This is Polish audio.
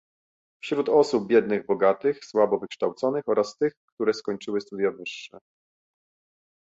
wśród osób biednych, bogatych, słabo wykształconych oraz tych, które skończyły studia wyższe